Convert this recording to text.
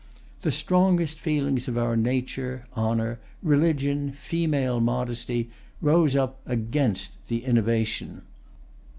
The strongest feelings of our nature, honor, religion, female modesty, rose up against the innovation.